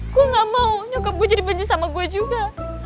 gua gak mau nyokap gua jadi benci sama gua juga